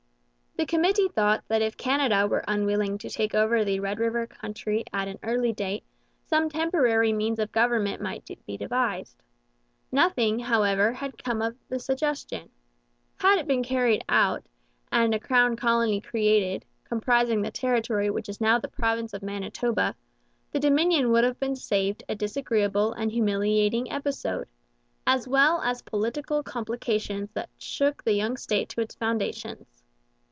The committee thought that if Canada were unwilling to take over the Red River country at an early date some temporary means of government might be devised. Nothing, however, had come of the suggestion. Had it been carried out, and a crown colony created, comprising the territory which is now the province of Manitoba, the Dominion would have been saved a disagreeable and humiliating episode, as well as political complications which shook the young state to its foundations.